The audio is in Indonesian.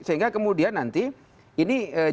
sehingga kemudian nanti ini jangan lagi di posisi kita